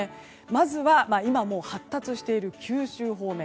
まずは今、もう発達している九州方面。